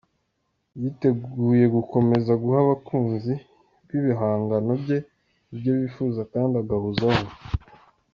Yiteguye gukomeza guha abakunzi b'ibihangano bye ibyo bifuza kandi agahozaho.